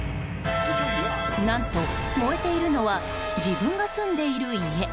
何と、燃えているのは自分が住んでいる家。